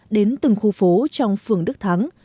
đến từng khu phố trong phường đức thắng